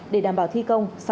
để đảm bảo thi công